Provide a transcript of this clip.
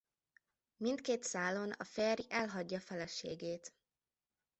Mindkét szálon a férj elhagyja feleségét.